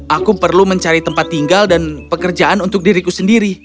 aku perlu mencari tempat tinggal dan pekerjaan untuk diriku sendiri